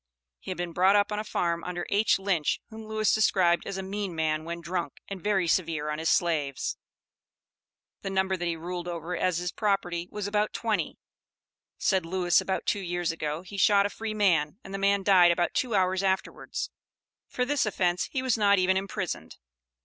He had been brought up on a farm under H. Lynch, whom Lewis described as "a mean man when drunk, and very severe on his slaves." The number that he ruled over as his property, was about twenty. Said Lewis, about two years ago, he shot a free man, and the man died about two hours afterwards; for this offence he was not even imprisoned.